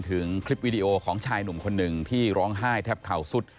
คลิปวิดีโอของชายหนุ่มคนหนึ่งที่ร้องไห้แทบเข่าสุด